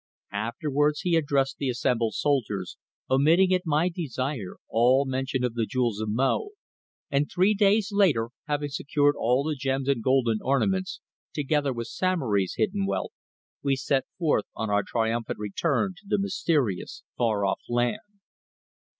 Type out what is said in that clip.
Afterwards he addressed the assembled soldiers, omitting at my desire all mention of the jewels of Mo, and three days later, having secured all the gems and golden ornaments, together with Samory's hidden wealth, we set forth on our triumphant return to the mysterious far off land.